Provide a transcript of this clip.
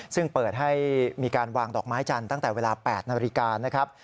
ซึ่งเปิดให้มีการวางดอกไม้จันทร์ตั้งแต่เวลา๘นาฬิกานะครับ